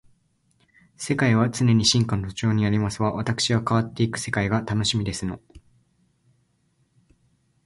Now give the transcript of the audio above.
世界は常に進化の途上にありますわ。わたくしは変わっていく世界が楽しみですの